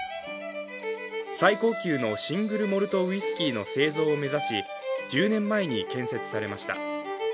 最高級のシングルモルトウイスキーの製造を目指し１０年前に建設されました。